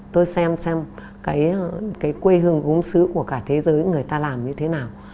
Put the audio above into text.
tôi xem xem cái quê hương gốm xứ của cả thế giới người ta làm như thế nào